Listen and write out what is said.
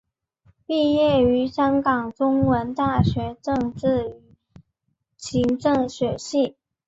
毕业于香港中文大学政治与行政学系。